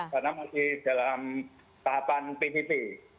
karena masih dalam tahapan pvp